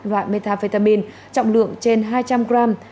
và methamphetamine trọng lượng trên hai trăm linh gram